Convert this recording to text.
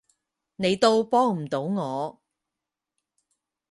你都幫唔到我